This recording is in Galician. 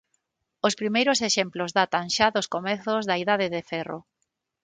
Os primeiros exemplos datan xa dos comezos da Idade de Ferro.